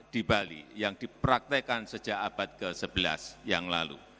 di bali yang dipraktekan sejak abad ke sebelas yang lalu